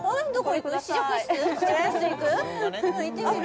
行ってみる？